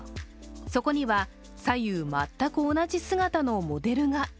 そこには、左右全く同じ姿のモデルが。